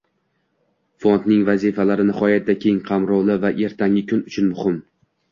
Fondning vazifalari nihoyatda keng qamrovli va ertangi kun uchun muhim.